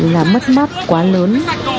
là mất mát quá lớn